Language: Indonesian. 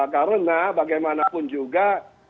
karena bagaimanapun juga